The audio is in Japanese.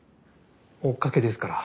追っかけですから。